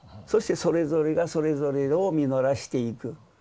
そしてそれぞれがそれぞれを実らしていく。